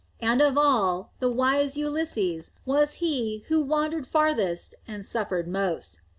And of all, the wise Ulysses was he who wandered farthest and suffered most.